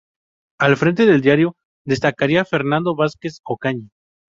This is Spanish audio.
Al frente del diario destacaría Fernando Vázquez Ocaña.